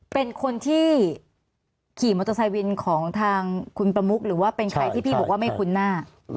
เป็นคนที่ขี่มอเตอร์ไซค์วินของทางคุณประมุกหรือว่าเป็นใครที่พี่บอกว่าไม่คุ้นหน้า